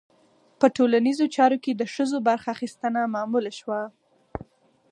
په ټولنیزو چارو کې د ښځو برخه اخیستنه معمول شوه.